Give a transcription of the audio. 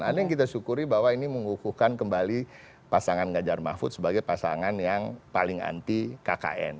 ada yang kita syukuri bahwa ini mengukuhkan kembali pasangan ngajar mahfud sebagai pasangan yang paling anti kkn